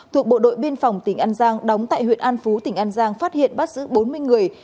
thuộc bộ đội biên phòng tỉnh an giang đóng tại huyện an phú tỉnh an giang phát hiện bắt giữ bốn mươi người